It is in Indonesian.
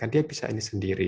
dia bisa ini sendiri